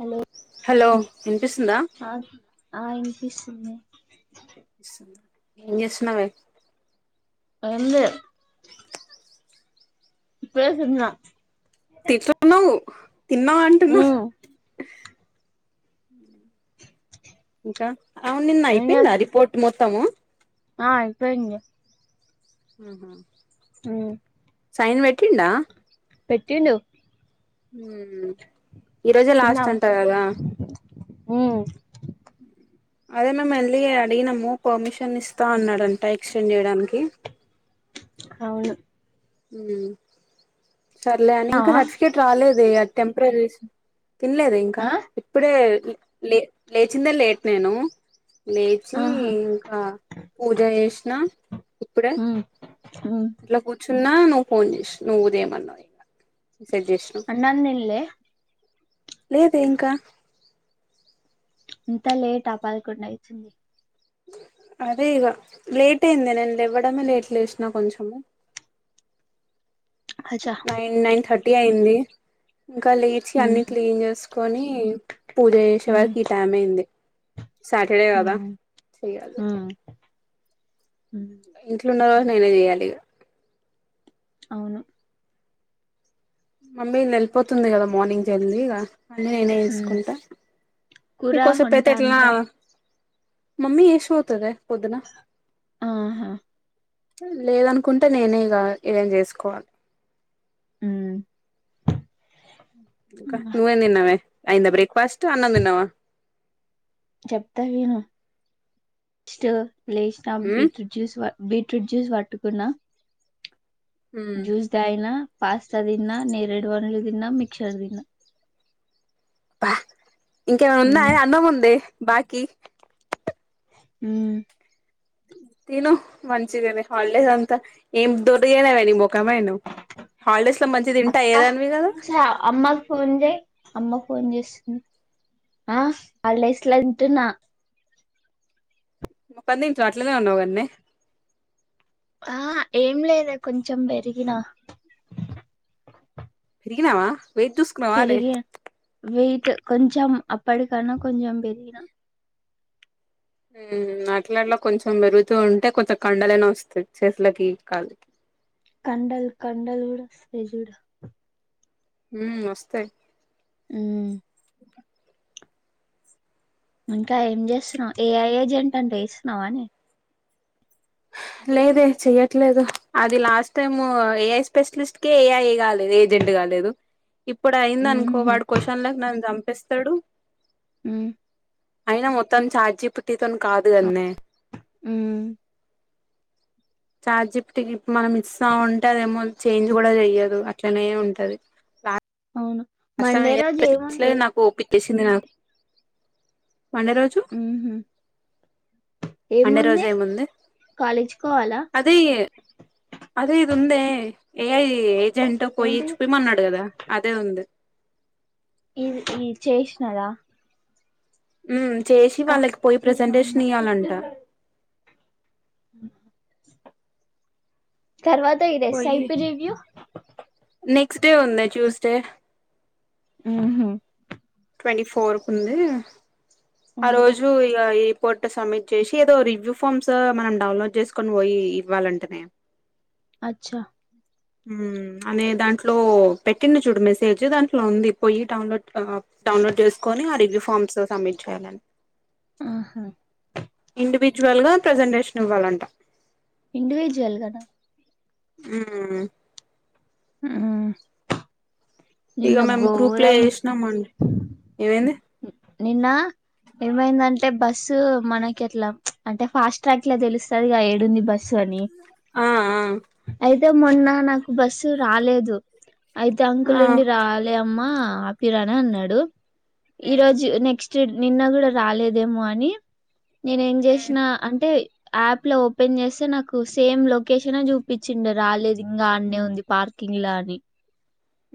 Hello hello వినిపిస్తుందా వినిపిస్తుంది ఏం చేస్తున్నావే [unintelligible] ఇప్పుడే తిన్న టిఫిన్ తిన్నావా అంటున్న ఉమ్ అవును నిన్న ఏం అయిపోయిందా చేస్ రిపోర్ట్ మొత్తము ఆ అయిపోయింది మ్మ్ హ్మ్ హ్మ్ సైన్ పెట్టిండా పెట్టండు ఈరోజే లాస్ట్ అంటా కదా హ్మ్ అదే మేము వెళ్ళీ అడిగినము పర్మిషన్ ఇస్తా అన్నాడంట ఎక్స్టెండ్ చేయడానికి అవును హ్మ్ సర్లే అని ఇంకా తిన్నావా సర్టిఫికేట్ రాలేదే అది టెంపరరీ తినలేదు ఇంకా ఆ ఇప్పుడే లే లేచిందే లేట్ నేను లేచి ఆహా ఇంకా పూజ చేసినా ఇప్పుడే ఉమ్ ఉమ్ ఇట్లా కూర్చున్నా నువ్వు ఫోన్ చేసి నువ్వు చేయమనావు ఇంకా అన్నాం తిన్నల్లే లేదే ఇంకా ఇంత లేట్ ఆ పదకుండు అయితుంది అదే ఇక లేట్ అయింది నేను లెగవడమే లేట్ లేసిన కొంచెము అచ్చా నైన్ నైన్ థర్టీ అయింది ఇంకా లేచి ఉమ్ అన్ని క్లీన్ చేసుకొని పూజ చేసే ఉమ్ వరకు ఈ టైం అయింది సటర్డే కథ ఉమ్ చేయాలి ఉమ్ ఉమ్ ఇంట్లో ఉన్న కాబట్టి నేనే చేయాలి ఇక అ మమ్మీ నలిపోతుంది కదా మార్నింగ్కి వెళ్ళి ఇక అన్నీ నేనే ఉమ్ చేసుకుంటా కూర మీకోసపు వంట అయితే ఎట్లనా అంతా మమ్మీ ఏష పోతదే పోదున్న ఆహా లేదనుకుంటే నేనే ఇక ఏదైనా చేసుకోవాలి అ ఇకా నువ్వేం తిన్నవే అయిందా బ్రేక్ఫాస్ట్ అన్నం తిన్నావా చెప్తా విను లేసిన ఉమ్ బీట్రూట్ జ్యూస్ బీట్రూట్ జ్యూస్ పట్టుకున్నా జ్యూస్ దాగనా పాస్తా తిన్నా నేరేడు పనులు తిన్నా మిక్చర్ తిన్నా అబ్బ ఇంకేమైనా ఉమ్ ఉన్నాయి అన్నం ఉందే బాకీ మ్మ్ తిను మంచిదేలే హల్లేేస్ అంత ఏం దొర్గే నవ ని బ ముఖమను హాలిడేస్ లో మంచి అక్క తింటాయేదానివి కదా సరే, అమ్మకు ఫోన్ చేయి అమ్మ ఫోన్ చేసింది ఆ హల్డేస్ లో అంటున్నా ముంది ఇట్ అట్లనే ఉన్నావు కథనే ఆ ఏం లేదే కొంచెం పెరిగినా పేరిగినావా వెయిట్ చూసుకున్నావా నే కొంచం అప్పటికనా కొంచం పెరిగినా హ్మ్ అట్లా అన్నా కొంచెం పెరుగుతూ ఉంటే కొంచెం కండలేనా వస్తాయి చేతులకి కాళకి కండల్ కండల్డ్ కూడా వస్తాయి చూడు మ్మ్ వస్తాయి మ్మ్ ఇంకా ఏం చేస్తున్నావు ఏఐ ఏజెంట్ అంటే వేస్తున్నావనే లేదే చెయ్యట్లేదు అది లాస్ట్ టైమ్ ఏఐ స్పెషలిస్ట్ క ఏఐ ఎ కాలేదు ఏది [unintelligible] కాలేదు ఇప్పుడు అయింద అనుకో ఉహు వాడు క్వశ్చన్లకు నన్ను సంపేస్తాడు హ్మ్ అయినా మొత్తం చాట్ జిపిటి తోని కాదు కద్నె హ్మ్ చాట్ జిపిటికి ఇప్పుడు మనం ఇస్త ఉంటే అదేమో చేంజ్ కూడా చెయ్యదు అట్లనే ఉంటది [inaudible] అవును మండే రోజు [inaudible] ఏముంది నాకు మండే రోజు ఉహు మండే రోజు ఏముంది కాలేజ్ కోవాలా అదే అదే ఇద ఉందే ఏఐ ఏజెంట్ పోయి ఏంటి చూపియమన్నాడు కదా అదే ఉంది ఈ ఈ చేసినదా హ్మ్ చేసి అక్క వాళ్ళకి పోయి చేసిన ప్రజెంటేషన్ అమ్మకి ఇయ్యాలంట [inaudible] తర్వాత ఈ పోయి రెస్తైపియి రివ్యూ నెక్స్ట్ డే ఉందే ట్యూస్ డే హ్మ్ హు ట్వంటీ ఫోర్ కు ఉంది ఆ రోజు ఇగ ఇ రిపోర్ట్ సబ్మిట్ చేసి ఏదో రివ్యూ ఫామ్స్ మనం డౌన్లోడ్ చేసుకొని పోయి ఇవ్వాలంటేనే అచ్చా హ్మ్ అన్నయ దాంట్లో పెట్టిండు చూడు మెసేజ్ దాంట్లో ఉంది పోయి డౌన్లోడ్ ఆ డౌన్లోడ్ చేసుకొని ఆ రివ్యూ ఫార్మ్స్ సబ్మిట్ చేయాల ఆహా ఇండివిజువల్ గా ప్రజెంటేషన్ ఇవ్వాలంట ఇండివిజువల్గాన హ్మ్ హ్మ్ ఇక మేము గ్రూప్ లో చేసినామండె ఏమైంది నిన్న ఏమైందంటే బస్సు మనకి ఎట్లా అంటే ఫాస్ట్ ట్రాక్లా తెలుస్తుంది ఏడుంది బస్సు ల అని ఆ ఆ అయితే మొన్న నాకు బస్సు రాలేదు అయితే అంకుల్ ఆ ఉండి రాలే అమ్మ అకిరానే అన్నాడు ఈరోజు నెక్స్ట్ నిన్న కూడా రాలేదేమో అని నేనే ఏం చేసిన అంటే యాప్ లో ఓపెన్ చేస్తే నాకు సేమ్ లొకేషనె చూపించింది రాలేదు ఇంగా అన్నే ఉంది పార్క్ కింగ్ల అని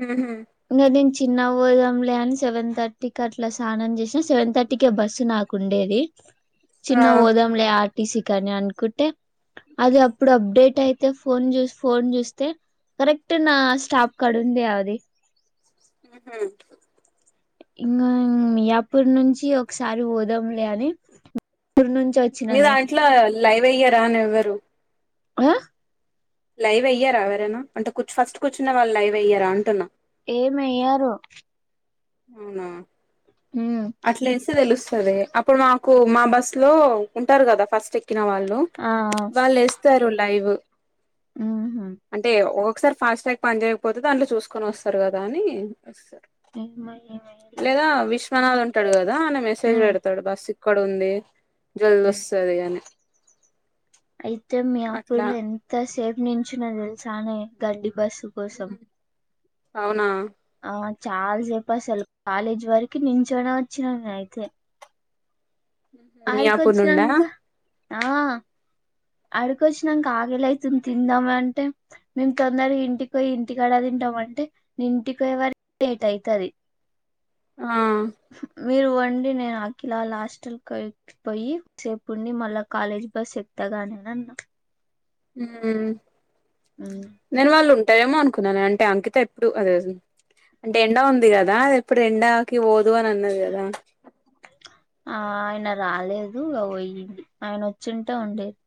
హ్మ్ హు ఇంగ నేను చిన్నగ పోదాంలే అని సెవెన్ థర్టీ టికట్ల స్నానం చేసి సెవెన్ థర్టీకే బస్సు నాకు ఉండేది ఆ చిన్న పోదాంలే ఆ సి కాని అనుకుంటే అది అప్పుడు అప్డేట్ అయితే ఫోన్ చెసి ఫోన్ చూస్తే కరెక్ట్ నా స్టాప్ కడ ఉందె అది హ్మ్ హు ఇంగా మియాపూర్ నుంచి ఒకసారి పోదాంలే అని ఊరు నుంచి మీ వచ్చిననే. దాంట్లో లైన్ వేయ్యారా అనే ఎవరు ఆ లైవ్ అయ్యార ఎవరైనా అంటే ఫస్ట్ కూర్చున్న వాళ్ళు లైవ్ అయ్యారా అంటున్నా ఏమి ఎయ్యారు అవునా అట్లా ఎస్తే తెలుస్తది అప్పుడు మాకు మా బస్ లో ఉంటారు కదా ఫస్ట్ ఎక్కిన వాళ్ళు ఆ! వాళ్ళు ఇస్తారు లైవ్ ఆ! హుహు. అంటే ఓ ఒకసారి ఫాస్ట్ ట్రాక్ పని చేయకపోతే దాంట్లో చూకొని వస్తారు కదా అని వస్తారు [inaudible] జనాలు ఉంటారు కదా అని మెసేజ్ ఉమ్ పెడతాడు బస్ ఇక్కడ ఉంది జల్ది ఉమ్. వస్తుంది అని అయితే మియాపూర్ అట్లా ఎంత సేఫ్ నించున్నా తెలుసానే గడ్డి బస్సు కోసం అవునా చాలాసేపు అసలు కాలేజీ వరకి నించోనే వచ్చినా నేను అయితే ఆడికి మియాపూర్ నుండా వచ్చినంక ఆ అడికొచ్చినాంక ఆకలి అయితంది తిందామ అంటే మేము తొందర ఇంటికి పోయి ఇంటికాడా ఉంటావ్ అంటే నేను ఇంటికి పోయే వరకు ఎయిట్ అయతది ఆ మీరు పొండి నేను అఖిల వాళ్ళ హాస్టల్ కలిసిపోయి కాసేపు ఉండి మళ్ళా కాలేజ్ బస్ ఎక్కుతా గాని అని అన్నా ఊ ఉమ్. నేను వాళ్ళు ఏమో అనుకున్నాను అంటే అంకిత ఎప్పుడు అదే అంటే ఎండ ఉంది కదా ఎప్పుడు ఎండాకి పోదు అని అన్నది కదా ఆ ఆయన రాలేదు పోయింది ఆయన వచ్చింటే ఉండేది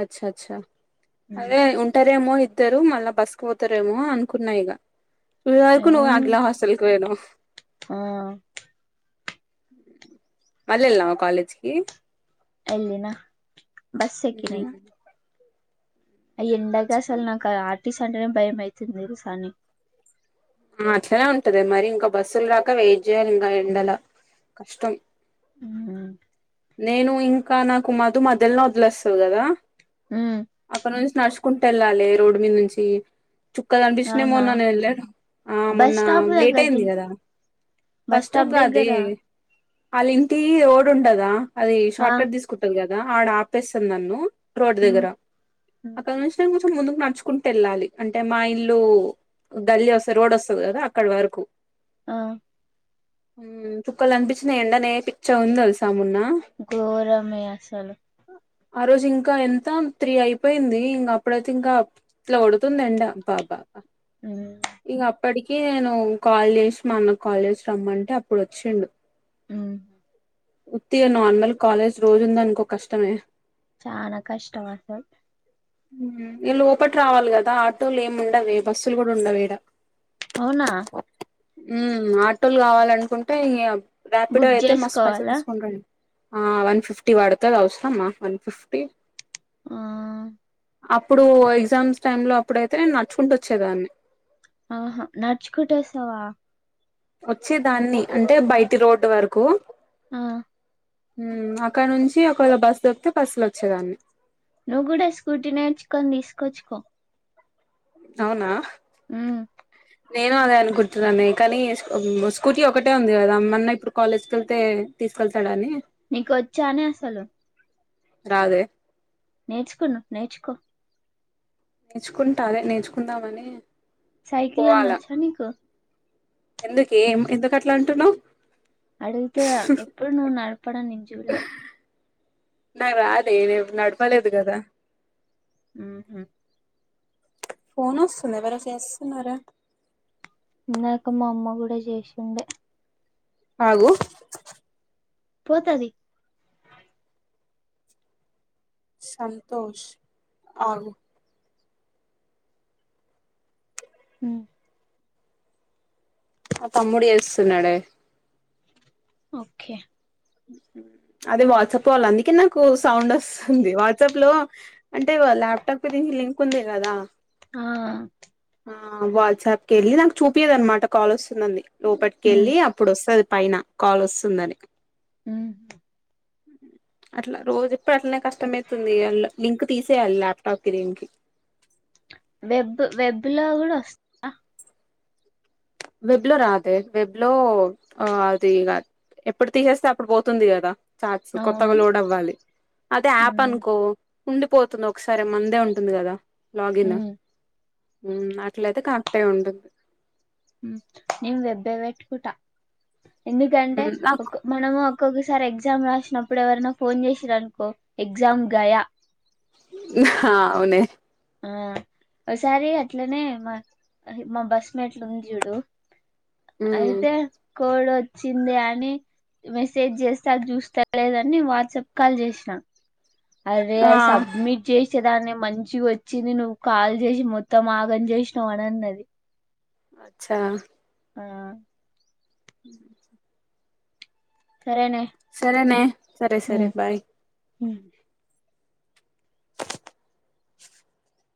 అచ్చ అచ్చా అదే ఉంటారు ఏమో వత్తారు మళ్ళా బస్ కు పోతారు ఏమో అనుకున్నా ఇగా వరకు నువ్వు ఉన్ అంతలకు హాస్టల్ పోయనవ్ ఆ మళ్ళీ వెళ్ళినావ కాలేజ్ కి అయ్యేనా బస్ ఎక్కినా ఇగ ఉమ్, ఆ ఎండకు మంచి అసలు పని నాకు ఆర్టిస్ట్ అంటనే భయం అయతుంది తెలుసా నే ఆ అట్లనే ఉంటది మరి ఇంకా బస్సులు రాక వెయిట్ చేయాలి ఇంకా ఎండలో కష్టం ఉమ్ నేను ఇంకా నాకు మధు మధ్యలో వదిలేస్తాది కదా అక్కడ నుంచి నడుచు క్కుంటూ వెళ్ళాలి రోడ్డు మీద నుంచి చుక్కాలు కనిపిస్తున్నాయి అవునా మోన్న నేను వెళ్ళాను ఆ బస్ మొన్న స్టాప్ లేట్ దగ్గర అయింది దిగు కదా బస్ ఫస్ట్ స్టాప్ [unintelligible] దగ్గరా వాళ్ళ ఇంటి రోడ్ ఉంటదా అది ఆ షార్ట్ కట్ తీసుకుంటది కదా ఆడ ఆపేస్తాది నన్ను రోడ్ ఉమ్ దగ్గర ఆక్కడ నుంచి కొంచం ముందు నడుచ్చుకుంటూ వెళ్ళాలి అంటే మా ఇల్లు గల్లీ వస్తే రోడ్ వస్తది కదా అక్కడ వరకు ఆ ఉ చుక్కలు కనిపించినాయి ఎండనే పిచ్చా గుంది తెలుసా మొన్న ఘోరమే అసలు ఆ రోజు ఇంకా ఎంత త్రీ అయిపోయింది ఇంకా అప్పుడైతే ఇంకా ఇట్లా గొడుతుంది ఎండ అబ్బా అబ్బా ఉ ఇగ అప్పటికి నేను కాల్ చేసి మా అన్నకు కాల్ చేసి రమ్మంటే అప్పుడు వచ్చిండు ఉ ఉత్తిగా నార్మల్ కాలేజ్ రోజు ఉంద అనుకో కష్టమే చానా కష్టం అసలు ఇీళ్లు లోపట్ రావాలి కదా ఆటోలు ఏమి ఉండవ బస్సులు కూడా ఉండ వీడా అవున ఆటోలు కావాలనుకుంటే ఇ ర్యాపిడో బుక్ అయితే మస్తు పైసలు చేసుకోవాలా తీసుకుంటండి ఆ వన్ ఫిఫ్టీ పడుతుది అవసరమ వన్ ఫిఫ్టీ ఆ అప్పుడు ఎగ్జామ్స్ టైమ్ లో అప్పుడుైతే నేను నడుచుకుంటూ వచ్చేదాన్ని ఆహా నడుచుకుట్టేస్తావా వచ్చే దాన్ని అంటే బయటి రోడ్డు వరకు ఆ అక్కడ నుంచి ఒకవేళ బస్ దొక్తే బస్సులో వచ్చేదాన్ని నువ్వు కూడ స్కూటీ నేర్చుకొని తీసుకొచ్చుకో అవునా ఉ నేను అదే అనుకుంటున్నాను కానీ స్కూటీ ఒకటే ఉంది కదా మ అన్నయ్య ఇప్పుడు కాలేజ్కి వెళ్తే తీసుకెళ్తాడ అని నీకు వచ్చానే అసలు రాదె నేర్చుకున్న నేర్చుకో నేర్చుకుంటా అదే నేర్చుకుందామని సైకల్ అన్నా పోవాలా వచ్చానికు ఎందుకే ఎందుకు అట్ల అంటున్నావు అతే ఎప్పుడు నువ్ నడపడం నేన్‌ చూడలె నాక్ రాదే నడపలేదు కదా ఊహు ఫోన్ వస్తుంది ఎవరో చేస్తున్నారా ఇందాక మా అమ్మ కూడా చేసిండే ఆగు పోతది సంతోష్ అవున్ హు ఆ తమ్ముడి చేస్తున్నాడే ఓకె అదే వాట్సాప్ వాళ్ళ అందుకే నాకు సౌండ్ వస్తుంది వాట్సాప్ లో అంటే ల్యాప్టాప్ కి దినికి లింక్ ఉంది కదా ఆ ఆ వాట్సాప్కిి వెళ్ళి నాకు చూపియదనమాట కాల్ వస్తుందండి లోపలికి ఉమ్, వెళ్ళి అప్పుడు వస్తుంది పైన కాల్ వస్తుందని మ్ [inaudible] అట్లా రోజు ఎప్పుడు అట్లనే కష్టమవుతుంది లింక్ తీసేయాలి ల్యాప్టాప్ కి దీన్కి [inaudible] వెబ్ వెబ్లా కూడ వస్తదా వెబ్ లో రాదే వెబ్ లో అది ఇ ఎప్పుడు తీసేస్తే అప్పుడు పోతుంది కదా చార్ట్స్ కొత్తగా అవును లోడ్ అవ్వాలి అదే యాప్ ఉమ్, అనుకో ఉండిపోతుంది ఒకసారి మందే ఉంటుంది కదా లాగిన్ ఉమ్, మ్మ్ అట్లా అయితే కరెక్ట్ నే ఉంటుంది మ్మ్ నిను పెద్దగా పెట్టుకుంటా ఎందుకంటే నాకు ఒక మనము ఇక్కొకసారి ఎగ్జామ్ రాసినప్పుడు ఎవరన్న ఫోన్ చేసిర్రు అనుకో ఎగ్జామ్ గాయా అవునే ఆ ఒకసారి అట్లనే మా మా బస్ మేట్లు ఉంది చూడు అయితే కోడ్ వచ్చింది అని మెసేజ్ చేస్తా వాడు చూస్తా లేదని నిను వాట్సాప్ కాల్ చేసినా అదే ఆ అది సబ్మిట్ చేసి వచ్చేదాన్ని మంచిగా వచ్చింది నువ్వు కాల్ చేసి మొత్తం ఆగం చేసినావు అని అన్నాది అచ్చా ఆ ఆహ సరేనే సరేనే సరే సరే బాయ్ ఉమ్.